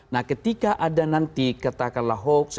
nah ketika ada nanti katakanlah hoax